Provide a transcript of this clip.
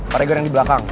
pak regar yang di belakang